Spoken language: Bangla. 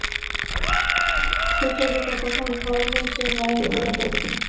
সুচরিতা তখন ঘর হইতে বাহির হইয়া যাইতেছিল।